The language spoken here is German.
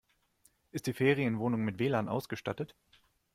Ist die Ferienwohnung mit WLAN ausgestattet?